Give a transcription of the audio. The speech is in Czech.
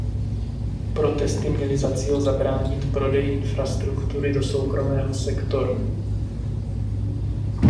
Protesty měly za cíl zabránit prodeji infrastruktury do soukromého sektoru.